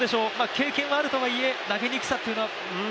経験はあるとはいえ、投げにくさっていうのは？